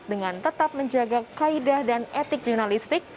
dengan tetap menjaga kaedah dan etik jurnalistik